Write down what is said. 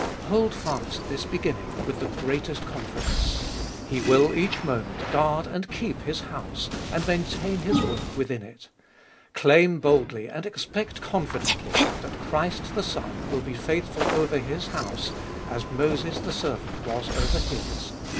Hold fast this beginning with the greatest confidence. He will each moment guard and keep His house, and maintain His work within it. Claim boldly and expect confidently that Christ the Son will be faithful over His house as Moses the servant was over his.